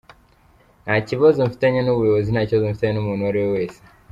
Nta kibazo mfitanye n’ubuyobozi, nta kibazo mfitanye n’umuntu uwo ari we wese.